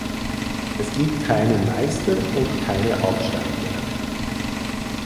Es gibt keinen Meister und keine Absteiger.